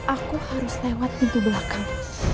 aku harus lewat pintu belakang